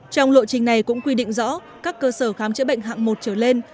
trong lộ trình này cũng quy định rõ các cơ sở khám chữa bệnh hạng một trở lên